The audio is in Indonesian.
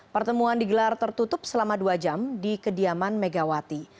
pertemuan digelar tertutup selama dua jam di kediaman megawati